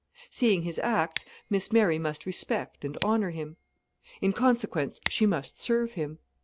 Seeing his acts, Miss Mary must respect and honour him. In consequence she must serve him.